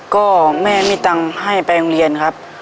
ก็แม่มีตังค์ให้ไปโรงเรียนครับ